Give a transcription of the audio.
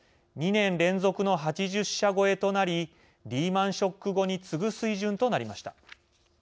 ２年連続の８０社超えとなりリーマンショック後に次ぐ水準となりました。